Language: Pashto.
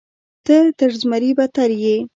ته تر زمري بدتر یې.